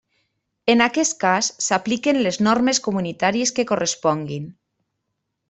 En aquest cas, s'apliquen les normes comunitàries que corresponguin.